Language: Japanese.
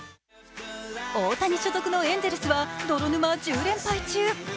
大谷所属のエンゼルスは泥沼１０連敗中。